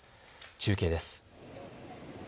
中継です。